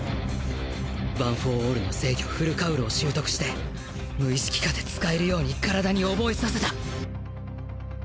ワン・フォー・オールの制御フルカウルを習得して無意識下で使えるように体に覚えさせた